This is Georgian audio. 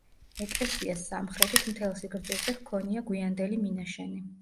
ეკლესიას სამხრეთით მთელ სიგრძეზე ჰქონია გვიანდელი მინაშენი.